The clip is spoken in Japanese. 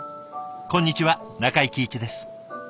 こんにちは中井貴一です。